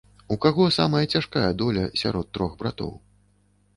У каго самая цяжкая доля сярод трох братоў?